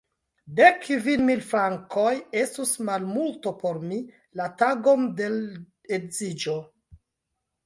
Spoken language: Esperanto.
Dek kvin mil frankoj estus malmulto por mi, la tagon de l' edziĝo.